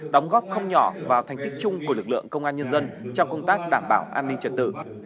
đóng góp không nhỏ vào thành tích chung của lực lượng công an nhân dân trong công tác đảm bảo an ninh trật tự